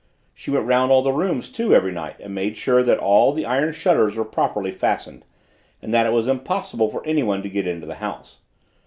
She went round all the rooms too every night, and made sure that all the iron shutters were properly fastened, and that it was impossible for anyone to get into the house.